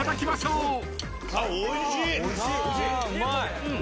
・うまい！